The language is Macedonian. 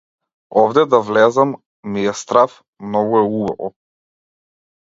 Овде да влезам, ми е страв, многу е убаво.